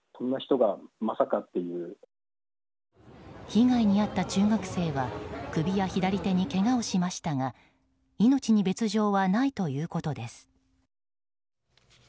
被害に遭った中学生は首や左手にけがをしましたが命に別条はないということです。